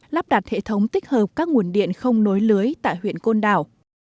lắp đặt hệ thống tích hợp các nguồn điện không nối lưới tại huyện côn đảo